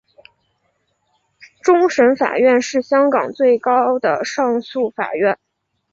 终审法院是香港最高的上诉法院。